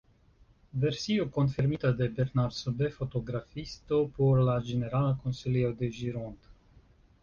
Versio konfirmita de Bernard Sube, fotografisto por la ĝenerala konsilio de Gironde.